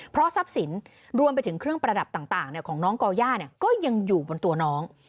เพราะทรัพย์สินรวมไปถึงเครื่องประดับต่างของน้องก่อย่าก็ยังอยู่บนตัวน้อง